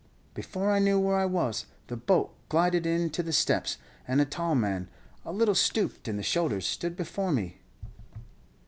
"Before I knew where I was, the boat glided in to the steps, and a tall man, a little stooped in the shoulders, stood before me.